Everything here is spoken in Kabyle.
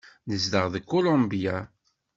Nezdeɣ deg Kulumbya.